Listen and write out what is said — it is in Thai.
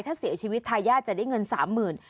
ถ้าเสียชีวิตทายาทจะได้เงิน๓๐๐๐บาท